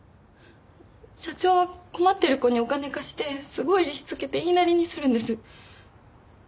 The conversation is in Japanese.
社長は困ってる子にお金貸してすごい利子つけて言いなりにするんです。